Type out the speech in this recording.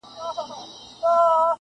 ښایسته د پاچا لور وم پر طالب مینه سومه!